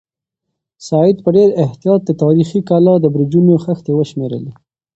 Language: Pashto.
سعید په ډېر احتیاط د تاریخي کلا د برجونو خښتې وشمېرلې.